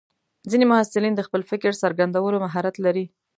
ځینې محصلین د خپل فکر څرګندولو مهارت لري.